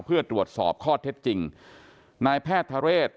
เพื่อตรวจสอบข้อเท็จจริงนายแพทย์ทะเรศ